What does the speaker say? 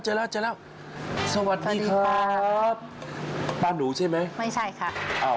สวัสดีครับป้าหนูใช่ไหมไม่ใช่ค่ะเป็นลูกสาวป้าหนูค่ะสวัสดีครับ